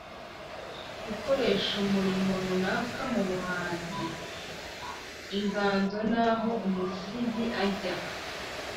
yo gukoresha umurimo runaka mu buhanzi, inganzo ni aho umusizi ajya